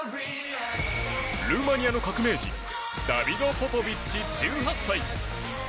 ルーマニアの革命児ダビド・ポポビッチ、１８歳。